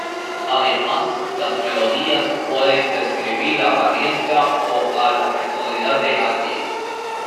Además, las melodías pueden describir la apariencia o la personalidad de alguien.